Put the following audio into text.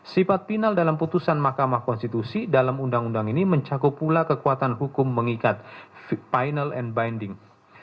sifat final dalam putusan mahkamah konstitusi dalam undang undang ini mencakup pula kekuatan hukum mengikat final and binding